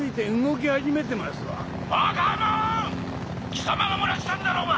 貴様が漏らしたんだろうが！